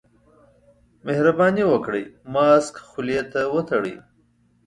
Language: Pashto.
مهرباني وکړئ، ماسک خولې ته وتړئ.